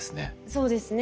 そうですね。